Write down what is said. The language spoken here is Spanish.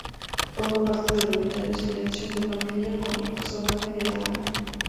Formó parte del unitario "Silencios de familia", con el personaje de "Alan".